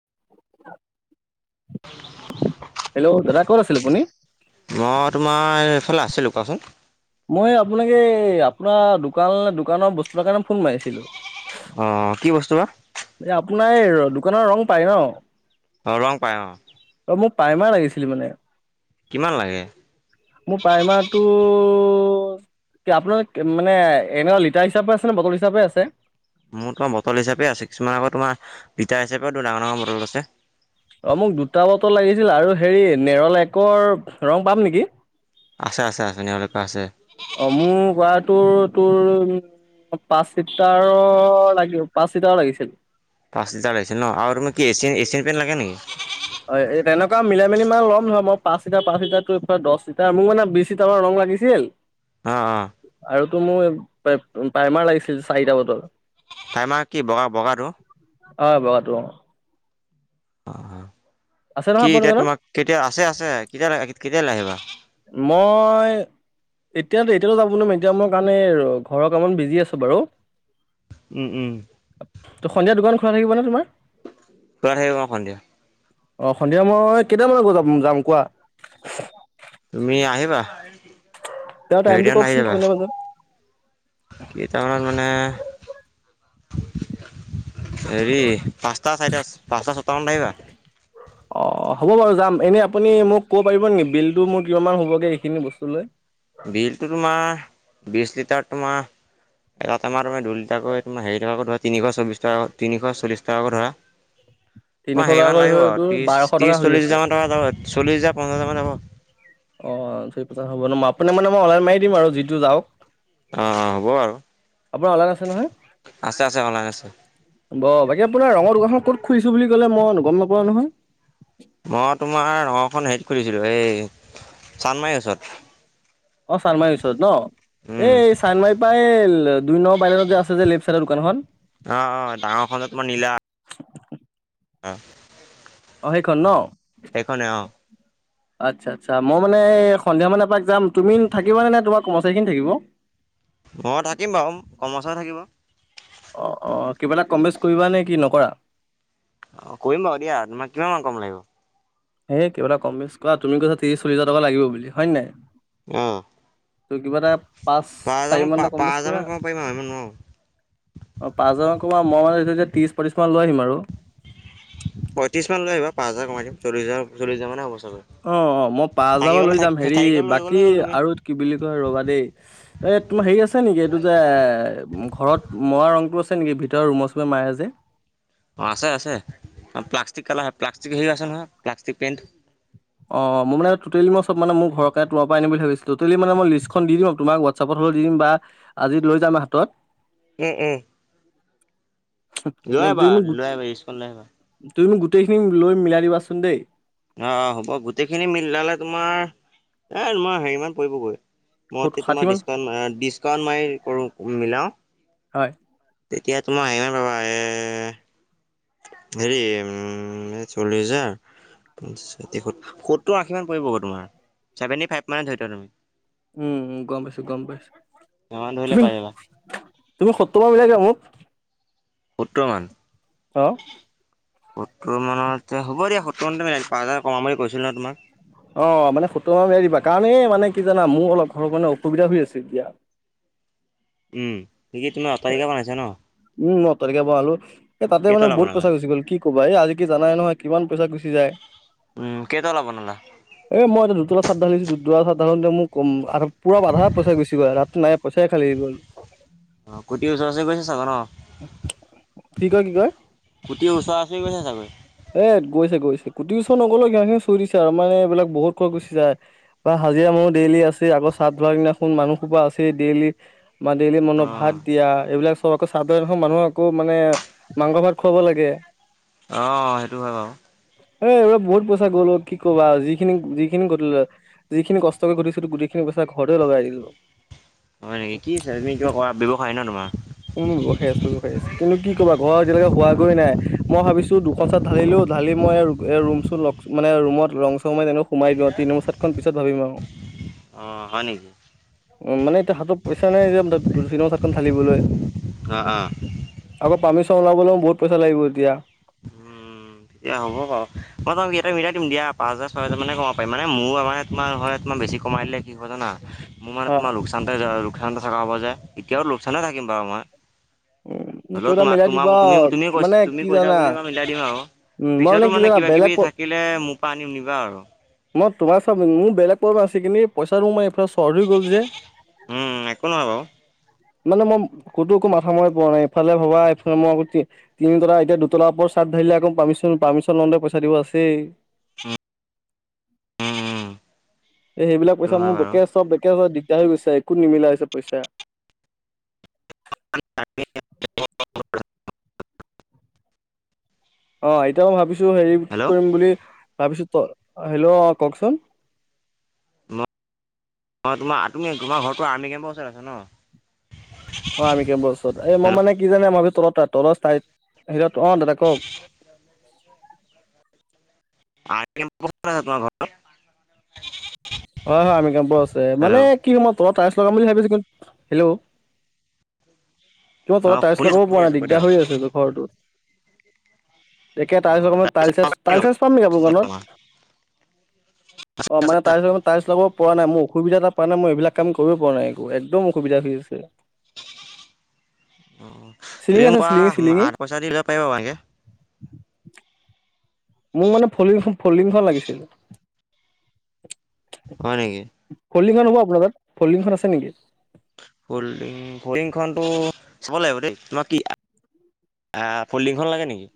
[unintelligible] Hello দাদ ক'ত আছিল আপুনি মই তোমাৰ এইফালে আছিলোঁ কোৱাচোন মই আপোনাক এই আপোনাৰ দোকান দোকানৰ বস্তুৰ কাৰণে ফোন মাৰিছিলো। অ কি বস্তু বা এই আপোনাৰ এই দোকানৰ ৰং পায় ন অ ৰং পায় অ। অ মোৰ পাইমাৰ লাগিছিল মানে কিমান লাগে? মোৰ পাইমাৰটো। আপোনাৰে মানে এনেকুৱা লিটাৰ হিচাপে আছে নে বটল হিচাপে আছে। মোৰ তোমাৰ বটল হিচাপে আছে কিছুমান আকৌ তোমাৰ বিটাৰ হিচাপেও টো ডাঙৰ ডাঙৰ মান বটল আছে। অ মোক দুটা বটল লাগিছিল আৰু হেৰি নেৰলেকৰ ৰং পাম নেকি? আছে আছে আছে নেৰলেকৰ আছে। অ মোৰ কৰাটোৰ তোৰ তোৰ উ পাঁচ চিটাৰ লাগিব পাঁচ চিটাৰ লাগিছিল। পাঁচ লিটাৰ লাগিছিল ন আৰু মোক কি এছিয় এছিয়ান পেণ্ট লাগে নেকি? হয় এনেকুৱা মিলাই মেলি মান লম ধয় মই পাঁচ লিটাৰ পাঁচ লিাৰটো এই দশ লিটাৰ মোক মানে বিশ লিটাৰৰ ৰং। লাগিছিল। অ' অ'। আৰুতো মোৰ পাইমাৰ লাগিছিল চাৰিটা বটল। প্ৰাইমাৰ কি বগা বগাটো? অ বগাটো। অ আছে নহয় কি আপোনাৰ এতিয়া দোকানত তোমাক কেতিয়া আছে আছে কেতিয়ালে কেতিয়ালৈ আহিবা? মই। এতিয়াত এতিয়ো যাব নোৱাৰম এতিয়া মোৰ কাৰণে ঘৰ অমমান বিজি আছো বাৰু। উম উম। ত সন্ধিয়া দোকান খোলা থাকিব নে তোমাৰ? তই আহিব ক খন দিয়া। অ সন্ধিয়া মই কেইটামান বজ যাম যাম কোৱা? তুমি আহিবা? তেওঁৰ দেৰি টাইমটো কে কওকচোন নাহিবা কিমান টাইমত যাম কেইটামানত মানে হেৰি পাঁচটা চাৰিটা পাঁচটা ছটা মানত আহিবা। অ হ'ব বাৰু যাম এনে আপুনি মোক ক'ব পাৰিব নেকি বিলটো মোৰ কিমানান হ'বগৈ এইখিনি বস্তু লৈ বিলটো তোমাৰ বিশ লিটাৰ তোমাৰ এটা টেমা তুমি দুই লিটাকৈ তোমাৰ হেৰি টকা কৈ ধৰা তিনিশ চলিশ টকা তিনিশ চল্লি টকাকৈ ধৰা। [inaudible] তোমাৰ হেৰিমান টকাকৈ হৈ লাগিব আৰু তোৰ ত্ৰিশ বাৰশ টকা ত্ৰিশ হৈ চল্লিশ আছে হাজাৰ মান টকা যাব চল্লি হাজাৰ পঞ্চাচ হাজাৰ মান যাব। অ ধু পছ হ'ব ন মই আপুনি মানে মই অনলাইন মাৰি দিম আৰু যিটো যাওক অ অ হ'ব আৰু আপোনাৰ অলাগ আছে নহয় আছে আছে অনলাইন আছে। ব বাকী আপোনাৰ ৰঙৰ দোকানখন ক'ত খুলিছো বুলি কলে মই গম নাপাওঁ নহয়। মই তোমাৰ নওখন হেৰিত খুলিছিলো এই চানমাৰি গচৰত অ চান্দমাৰীৰ ওচৰত ন এই চান্দমাৰি পৰাই দুই নমৰ বাইলেনত যে আছে যে লেফ চাইডৰ দোকানখন অ অ ডাঙৰ খন তোমাৰ নীলা অ অ সেইখন ন সেইখনে আহ আচ্ছা আচ্ছা মই মানে সন্ধিয়া মান এপাক যাম তুমি থাকিবানে নে তোমাৰ কৰ্মচাৰীখিনি থাকিব। মই থাকিম বাৰু কমাৰ্চ থাকিব। অ অ কিবা এটা কম বেচ কৰিবা নে কি নকৰা। অ কৰিম বাৰু দিয়া তোমাক কিমান মান কম লাগিব? সেই কিবা এটা কম বেছ কৰা তুমি কৈচা ত্ৰিশ চলি হাজাৰ টকা লাগিব বুলি হয় নে নাই। আহ তোৰ কিবা এটা পাঁচ চাৰি মান এটা কম পাঁচ বেচ কৰা। হাজাৰমান কমাব পাৰিম আৰু ইমান নোৱাৰোঁ অ পাঁচ হাজাৰানকমাৰ মই মানে যে ত্ৰিশ পঁচ্ৰিছ মান লৈ আহিম আৰু পঁয়ত্ৰিশ মান লৈ আহিবা পাঁচ হাজাৰ কমাই দিম চল্লিশ চল্লিশ হাজাৰ মানে হব চাগে। অ অ মই পাঁ হাজাৰ লৈ যাম হেৰি থাকি গ'ল লৈ বাকী গ'লেই হ'ল তুমি। আৰু কি বুলি কয় ৰবা দেই ত মাৰ হেৰি আছে নেকি এইটো যে ঘৰত মৰা ৰংটো আছে নেকি ভি এতিয়া আৰু ৰুমৰ চুমে মায় আ যে অ আছে আছে প্লাষ্টিক কালা প্লাষ্টিক হে আছে নহয় প্লাষ্টিক পেইণ্ট অ মোৰ মানে টোটেলি মই চব মানে মোৰ ঘৰে তোমাৰ পৰা আনিম বুলি ভাবিছিলো টোটেলি মানে মই লিষ্ট খন দি দিম তোমাক হোৱাছআপত দিম বা আজি লৈ যাম হাতত। উম উম। লৈ আহিবা তুমি মোক লৈ আহিবা ইউজখন লৈ আহিবা। তুমি মোক গোটেইখিনি লৈ মিলাই দিবাচোন দেই অ হ'ব গোটেইখিনি মিলালে তোমাৰ এ মই হেৰি মান পৰিবগৈ। সত- মই ষাঠি তোমাৰ মান ডিচকাউণ্ট অ ডিছকাউণ্ট মাৰি কৰো মিলাও হয় তেতিয়া তোমাৰ এও পাবা এ হেৰি উম চল্লি হাজাৰ সত্তৰ আশী মান পৰিব তোমাৰ চভেনটি ফাইভ মানে ধৰি তুমি। উম গম পাইছো গম পাইছো। সিমান ধৰিলে তুমি পাই যাবা তুমি সত্তৰ মাধ মিলাই দিয়া মোক বৰ্তমান আহ। সত্তৰ মানতে হব দিয়া সত্তৰ মানতে মিলাই দিম পাঁচ হাজাৰ কমাম বুলি কৈছিল নহয় তোমাক। অ মানে সুতৰ মান মিলাই দিবা কাৰণ এই মানে কি জানা মোৰ অলপ ঘৰৰ মানে অসুবিধা হৈ আছে এতিয়া [inaudible] উম, কি তুমি অট্টালিকা বনাইছা ন? উম অ তৰিকা বলো এই তাতে মানে কেইতলা বহুত বনালা? পইচাৰ গুচি গ'ল কি ক'বাই আজি কি জানাই নহয় কিমান পইচা গুচি যায় উম কেইদলা বনালা চাত ঢালিছোঁ দু চাত ধালোঁতে মোৰ ম পূৰা আধা পই গুচি গ'ল তাত নাই পইচাই খালী গ'ল অ কোটিৰ ওচৰ চৰি গৈছে চাগ ন কি কয় কি কয় কোটি গৈছে চাগৈ। এ গৈছে গৈছে কোটি ওচৰ নগ'লেও ঘিহা খি চুই দিছে আৰু মানে এইবিলাক বহুত কৈ গুচি যায় বা হাজিৰা মানুহ ডেইলি আছে আগৰ চাত ধৰা কিনাখন মানুহসোপা আছে ডেইলি ম ডেইলি মনত অ', ভাত দিয়া এইবিলাক চব আকৌ সাধাৰণ মানুহক আকৌ মানে মাংস ভাত খুৱাব লাগে। অ সেইটো হয় বাৰু এ এইবাক বহুত পইচা গ'ল কি ক'বা যিখিনি যিখিনি ঘিল যিখিনি কষ্টকে ঘটিছো গোটেইখিনি ছা ঘৰতে লগাই দিলো। হয় নেকি? কি তুমি কিবা কৰা ব্যৱসায় ন তোমাৰ? উম ব্যৱসায় আছো ব্যৱসায় আছো কিন্তু কি কবা ঘৰ এতিয়ালৈকে হোৱা গৈ নাই মই ভাবিছো খন চাত ঢালিলো ঢালি মই এই ৰুম চোন মানে ৰুমত ৰং চং তেনেকৈ সোমাই দিওঁ তিনিম চাতখন পিছত ভাবিম আও অ' হয় নেকি? উম মানে এতিয়া হাতত পইচা নাই যে চিনেমা চাতখন ঢালিবলৈ আহ আহ। পাৰ্মিশন ওলাবলৈও বহুত পইচা লাগিব এতিয়া উম তেতিয়া হ'ব বাও মই তোক ইয়াতে মিলাই দিম দিয়া পাঁচ হাজাৰ ছয় হাজাৰ মানে কমাব পাৰি মানে মোৰ মানে তোমাৰ হয় তোমাৰ বেছি কমাই দিলে কি হয় জানা মোৰ মানে হা তোমাৰ লোকচানতে যায় আৰু। লোকচান থকা হ'ব যে এতিয়াও লোকচানে থাকিম বাৰু মই উম হল কিবা এটা তোমাৰ মিলাই তোমাৰ দিবা তুমি আৰু তুমি কৈছ মানে তুমি কি কৈছ ছা জানা বুলি মিলাই দিম আৰু উম মই পিছতো কি মানে জানা কিবা কিবি বেলেগ থাকিলে মোৰ পৰা আনিম নিবা আৰু মই তোমাৰ চ মোৰ বেলেগ ক আছে কিন্তি পইচাটো মই চৰ হৈ গ'ল যে। উম একো নহয় বাৰু মানে মই ক'তো একো মাথা মৰি পোৱা নাই ইফালে ভবা এইফালে মই তিন তলা এতিয়া দুতলাৰ ওপৰত চ। দিলে আকৌ পাৰ্মিচন পাৰ্মিশন লওঁতে পইচা দিব আছেই। উম। উম। এ সেইবিলাক সেইটো পইচা হয় মোৰ বাৰু বেকে চব বেকে চব দি। দিকদা হৈ গৈছে একো নিমিলা হৈছে পইচা [inaudible] অ এতিয়া মই ভাবিছো হেৰি কি হেল্ল' কৰিম বুলি ভাবিছো হেল্ল' অ কওকচোন। তোমাৰ তুমি তোমাৰ ঘৰৰতো আৰ্মি কেম্পৰ ওচৰত আছে ন? অ আৰ্মি কেম্পৰ ওচৰত এ মই হেল্ল' মানে কি জানে মই ভাবিছিলো তলৰ তা তলৰ তাই হে অ দাদা কওক। তোমাৰ ঘৰত হয় হয় আৰ্মি কাম্পপো আছে মানে কি সময়ত তলত তাইচ লগাম বুলি ভাবিছো কিন হেল্ল' কিয় অ তলত টাইলছ শুনি আছো লগাব শুনি পৰা আছো নাই কৈ দিগদাৰ থাকক হৈ আছেতো ঘৰটো এতিয়া তাইলছ লগাম শ তাইলছেচ তাইলচেজ পাম নেকি আপোনাৰ দোকানত? অ মানে তাইলছ তাইলছ লগাব পৰা নাই মোৰ অসুবিধা এটা পৰা নাই মই এইবিলাক কাম কৰিব পৰা নাই একো একদম অসুবিধা হৈ আছে। [inaudible] তুমি চিলিঙি আছে পোৱা চিলিঙি চিলিঙি আঠ পইচা দিলে পাৰিবা ভালকে। মোক মানে ফলিং ফলডিংখন লাগিছিল। হয় নেকি। ফলিংখন হ'ব আপোনাৰ তাত ফলডিংখন আছে নেকি? ফল্ডিং ফলিংখন টো চব লাগিব দেই তোমাৰ কি। আহ ফল্ডিংখন লাগে নেকি?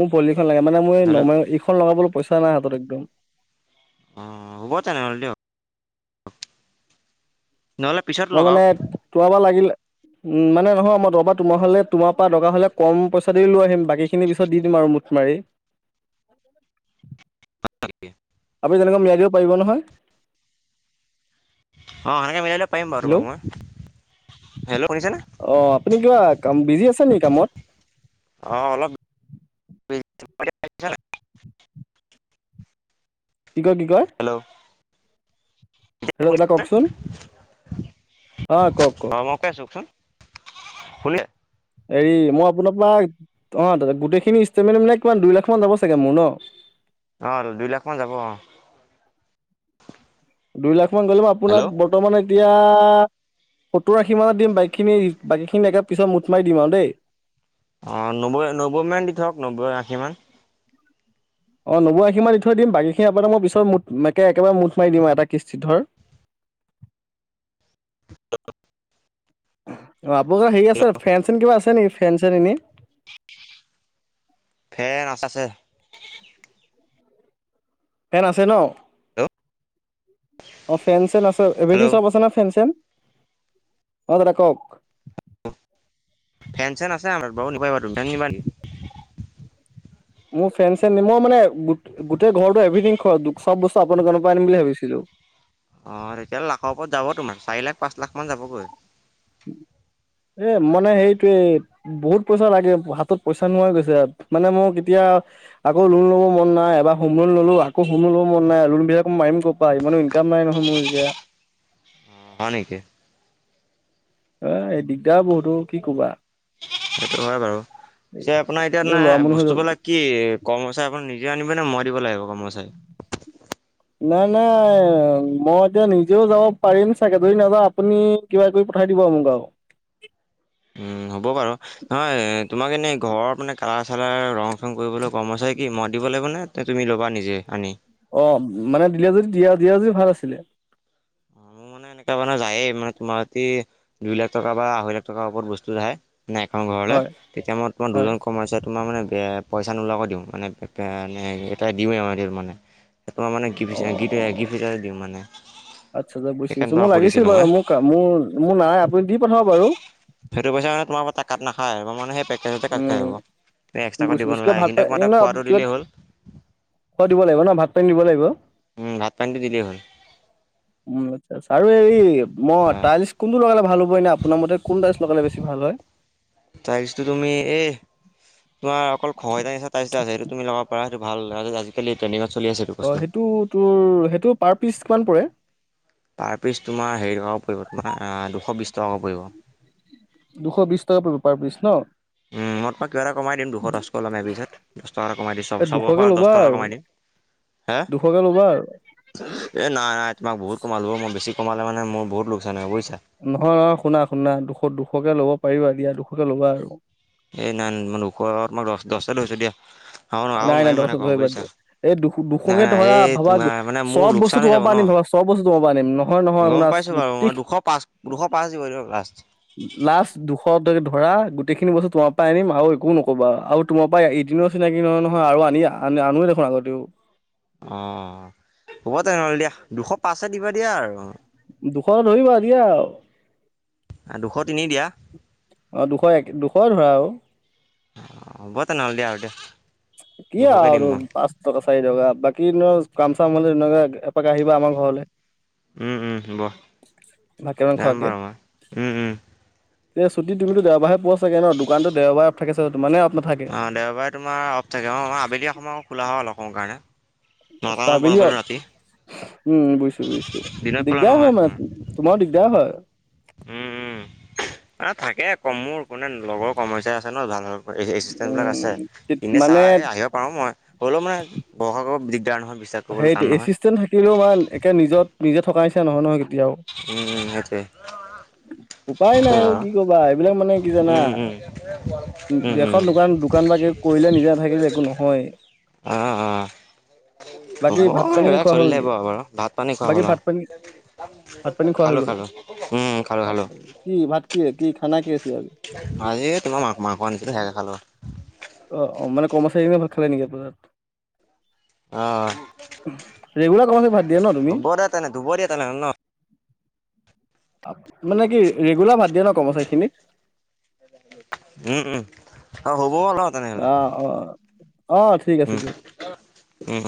মোৰ ফলিংখন লাগে মানে মই হেল্ল' নম ইখন লগাবলৈ পইচা নাই হাতত একদম। অ হ'ব তেনে হ'লে দিয়ক। নহ'লে পিছত মই মানে লগাওক তোমাৰ পা লাগিল উ মানে। নহয় মই দবা তোমাৰ হলে তোমাৰ পৰা দৰকা হলে কম পইচা দি লৈ আহিম বাকী খিনি পিছত দি দিম আৰু মুঠ মাৰি। [unintelligible] আপুনি তেনেকা মিয়াই দিব পাৰিব নহয়। অ সেনেকে মিলাই দিব পাৰিম বাৰু হেল্ল'। তোমাক মই। হেল্ল' শুনিছেনে অ আপুনি কিবা কাম বিজি আছে নেকি কামত? অঁ অলপ বিজি। কি কয় কি কয়। এতিয়া হেল্ল' দাদা শুনিছেনে কওকচোন অ কওক অ কওক মই কৈ আছো কওচোন। শুনিলে। হেৰি মই আপোনাৰ পৰা অ গোটেইখিনি ইষ্টলমেট ল'লে কিমান দুই লাখ মান ল'ব চাগে মোৰ ন? অ দুই লাখ মান যাব অ। দুই লাখ মান গলেম হেল্ল' আপোনাক বৰ্তমান এতিয়া। সত্তৰ আশী মানত দিম বাইকখিনি বাকীখিনি একে পিছত মুঠ মাৰি দিম আৰু দেই। অ নব্বৈ নব্বৈ মান দি থক নব্বৈ আশী মান। অ নব্বৈ আশী মান দি থৈ দিম বাকীখিনি আপোনাৰ মই পিছত মুঠ একে একেবাৰে মুঠ মাৰি দিম এটা কিস্তি ধৰ। আ [unintelligible] হ। অ আপোনা হেৰি আছে ফেন চেন কিবা আছে নেকি ফেন চেন এনে। ফেন আছে আছে। ফেন আছে ন। হেল্ল' অ ফেন চেন আছে‌ এব্ৰিডিং হেল্ল' চব আছে না ফেন চেন। অ দাদা কওক। ফেন চেন আছে আমাৰ বও নিব পাইবা তুমি নিবা নিকি। মোৰ ফ্ৰেড চে মই মানে গোটেই ঘৰটো এভথিং চব বস্তু আপোনাৰ দোকানৰৰ পৰা আনিম বুলি ভাবিছিলো [inaudible] অ তেতিয়াহলে লাখৰ ওপৰত যাব তোমাৰ চাৰি লাখ পাঁচ লাখ মান যাবগৈ এ মানে সেইটোৱে বহুত পইচা লাগে হাতত পইচা নোহাই গৈছে মানে মোৰ এতিয়া আকৌ লোন ল'ব মন নাই এব হো লোন ললও আকৌ হোম ল'ব মন নাই লোনবিলাক মাৰিম ক' পৰা ইমান ইনকাম ম নহয় মই এতিয়া। হয় নেকি। অ এই দিগদাৰ বহুতো কি কবা। সেইটো হয় বাৰু পিছে আপোনাৰ এতিয়া ল'ৰা ন মানুহ হৈ গ'ল। বস্তুবলাক কি কৰ্মচাই আপোনি নিজে আনিব। মানে মই দিব লাগিব ক মোৰ চাই। নাই নাই মই এতিয়া নিজেও যাব পাৰিম চাগে ধৰি নাযাওঁ আপুনি কিবা কৰি পঠাই দিম। মুগাব। উম হ'ব বাৰু নহয় তোমাক এনেই ঘৰৰ মানে কালাৰ চালাৰ ৰং। ফোন কৰিবলৈ গ'ম আছে কি মই দিব লাগিব ন তুমি ল'বা নিজে আনি। অ মানে দিলা যদি দিয়া দিয়া যদি ভাল আছিলে। এনেককাা মানে যায়ে মানে তোমাৰাতি দুই লাখ টকা বা আঢৈ লাখ টকাৰ ওপৰত বস্তু যায়। নাই এখন ঘৰলৈ হয় তেতিয়া মই তোমাৰ হয় দুজন কমাইছা তোমাৰ মানে। পইচা নোলোৱাকো দিওঁ মানে এটা দিওঁৱে আৰু মানে। তোমাৰ মানে গিফ হিচাপে দিওঁ মানে। সেইকাৰণে গৈছো মোৰ তোমাক লাগিছিল সুধিছিলোঁ মই বাৰু মোৰ মোৰ মোৰ নাই আপুনি দি পঠাব বাৰু। সেইটো পইচা তোমাৰ পৰা কাত নাখায় মানে সেই। তেনেতে কাট খাই উম আহ'ব এক্সট্ৰাকৈ বুজিছোঁ দিব বুজিছোঁ কিবা নালাগ ভাত পানী সখন্তক মাত এনে খোৱাটো কিবা দিলেই হ'ল। খোৱা দিব লাগিব ন ভাত পানী দিব লাগিব। উম ভাত পানীটো দিলেই হ'ল। ছ আৰু এই মই হা, টাইলছ কোনটো লগালে ভাল হব এনে আপোনাৰ মতে কোন টাইল লগালে বেছি ভাল হয় টাইলছটো তুমি এই তোমাৰ অকল খহটা নিচিনা টাইলচ এটা আছে সেটো তুমি লগাব পাৰা ভাল আজিকালি ট্টেইনডিঙত চলি আছে অ সেইটো তোৰ সেইটো পাৰ পিচ কিমান পৰে পাৰ পিচ তোমাৰ হেৰি টকাকৈ পৰিব তোমাৰ দুশ বিশ টকাকৈ পৰিব দুশ বিশ টকা পৰি পাৰ পচ ন মই পাক কিবা এটা কমাই দিম দুশ দশ লমে পিছত দহ টকা এটা কমাই দিমব এ চবৰ দুশকে পৰা দহ ল'বা টকা আৰু কমাই দিম দুশকে ল'বা আৰু এ নাই নাই তোমাক বহুত কমালো মই বেছি কমালে মানে মোৰ বহুত লোকচান হয় বুজিছো। নহয় নহয় শুনা শুনা দুশ দুশকে লব পাৰিবা এ দিয়া দুশকে ল'বা আৰু এ নাই ন ম ওখ মই দহ দহ কে লৈছো দিয়া আৰু আৰু নাই নাই নোৱাৰিম দহশ মানে কমাব ধৰিব বুজিছা। এই দু নাই দুশকে নাই ধৰা এই ভবা তোমাৰ মানে মোৰ চব বস্তু লোকচান হৈ তোমাৰ যাব পৰা ন। আনি ধবা চব বস্তু 'ব নে ন গম পাইছো বাৰু মই দুশ পাঁচ দুশ পাঁচ দিব দিয়িব লাষ্ট লাষ্ট দুশটকে ধৰা গোটেইখিনি বস্তু তোমাৰ পৰাই আনিম আৰু একো নকবা আৰু তোমাৰ পৰা এদিন চিনাকি নহয় নহয় আৰু আনিয়া আ আনোৱে দেখোন আগতেও অ হ'ব তেনেহ'লে দিয়া দুশ পাঁচ দিবা দিয়া আৰু দুশ ধৰিবা দিয়া আৰু দুশ তিনি দিয়া আহ দুশ এক দুশ ধৰা আৰু হ'ব তেনেহ'লে দিয়া আৰু দিয়া কি দুশকে দিম আৰু মই পাঁচ টকা চাৰি টকা বাকী ন কাম চাম হলে একে এপাক আহিবা আমাৰ ঘৰলে উম উম হ'ব ভাত কেইটামান যাম পাৰা উম উম এই ছুটি তুমি দেওবাৰাৰে পোৱা চাগে ন দোকানো দেওবাৰে থাকে তানে অ দেওবাৰে তোমাৰ অফ থাকে অ। আবেলি এ সময় খোলা হয় অলপ সময়ৰ কাৰণে। নটামান বন্ধ আবেলি কৰি দিও ৰাতি। উম, বুইছো, বুজিছো। দিনত খোলা দিগদাৰ নহয় হয় তোমাৰ মানে তোমাৰ দিগদাৰ হয়। উম, উম। অ থাকে কমোৰ কোনে লগৰ সমস্যা আছে ন [unintelligible] এই এচিচণ্টেবিলাক আছে। উম, সিহঁতে মানে চাই আহিব পাৰোঁ ম। ই হ'লেও মানে [unintelligible] দিগদাৰ নহয়। বিশ্বাস কৰিবলৈ সেইটো টান নহয় এচিষ্টেণ্ট থাকিলেও ইমান একে নিজত নিজে থকা নিচিনা নহয় নহয়। কেতিয়াও। উম সেইটোৱে। [unintelligible] উপায় সেইটোৱে নাই অ বাৰু কি কবা এইবিলাক মানে কি জানা উম উম উম উম এখন দোকান দোকান বাকে কৰিলে নিজে নাথাকিল একো নহয় অ অ। বাকী ভাত পানী খোৱা হ'ল নেকি বাৰু ভাত পানী খোৱা বাকী হ'ল ভাত আৰু পানী। ভাত পানী খোৱা হৈ খালোঁ গল খালোঁ উম খালোঁ খালোঁ আতছা কি ভাত কি কি খানা কি আছে। আজ তোমাৰ ম মাংস আনিছিলে হে খালো। অ অ মানে কমাচাৰ কিনে ভাল খালে নেকি আপোনাৰ তাত। অ। ৰেগোলাৰ কৰ্মচাৰীক ভাত। দিয়া ন তুমি? হব দে তেনে ধুব দিয়ে তেনে ন। মানে কি ৰেগুলাৰ ভাত দিয়ে ন কৰ্মচাৰীখিনিক। উম উম অ হও। অ অ আহ ঠিক আছে উম দিয়ক। উম